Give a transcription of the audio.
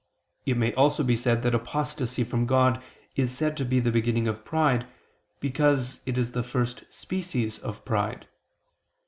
It may also be said that apostasy from God is said to be the beginning of pride, because it is the first species of pride.